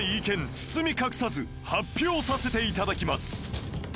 包み隠さず発表させていただきます